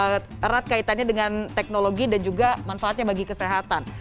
sangat erat kaitannya dengan teknologi dan juga manfaatnya bagi kesehatan